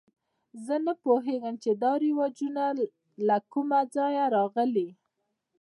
زه نه پوهېږم چې دا رواجونه له کومه ځایه راغلي.